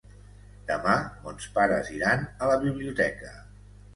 Demà mons pares iran a la biblioteca.